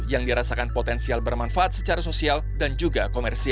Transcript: yang dirasakan potensial bermanfaat secara sosial dan juga komersial